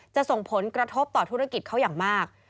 ส่งผลกระทบต่อธุรกิจเขาอย่างมาก